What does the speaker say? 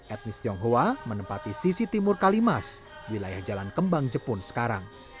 etnis tionghoa menempati sisi timur kalimas wilayah jalan kembang jepun sekarang